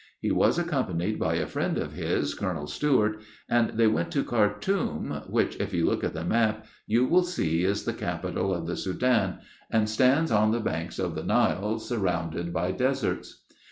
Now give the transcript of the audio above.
He was accompanied by a friend of his, Colonel Stewart, and they went to Khartoum, which, if you look at the map, you will see is the Capital of the Soudan, and stands on the banks of the Nile, surrounded by deserts.